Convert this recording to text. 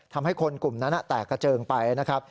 ทำให้คนกลุ่มนั้นแตกกระเจิงไปนะครับ